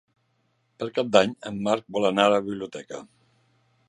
Per Cap d'Any en Marc vol anar a la biblioteca.